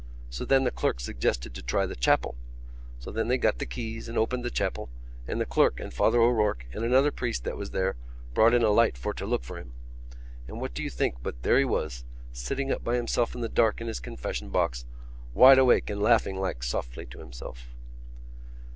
So then the clerk suggested to try the chapel. So then they got the keys and opened the chapel and the clerk and Father O'Rourke and another priest that was there brought in a light for to look for him.... And what do you think but there he was, sitting up by himself in the dark in his confession box, wide awake and laughing like softly to himself?"